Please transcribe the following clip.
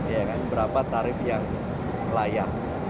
ya kan berapa tarif yang layak